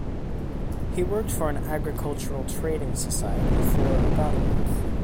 He worked for an agricultural trading society for about a month.